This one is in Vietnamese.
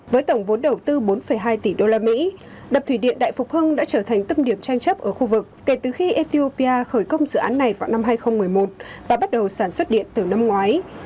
với tổng vốn đầu tư bốn hai tỷ usd đập thủy điện đại phục hưng đã trở thành tâm điểm tranh chấp ở khu vực kể từ khi ethiopia khởi công dự án này vào năm hai nghìn một mươi một và bắt đầu sản xuất điện từ năm ngoái